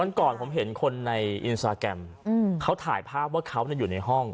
ก่อนผมเห็นคนในอินสตาแกรมเขาถ่ายภาพว่าเขาอยู่ในห้อง